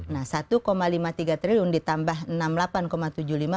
nah rp satu lima puluh tiga triliun ditambah rp enam tujuh triliun